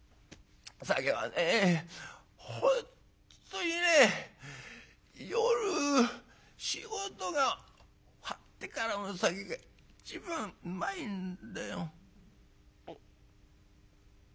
本当にね夜仕事が終わってからの酒が一番うまいんだよ」。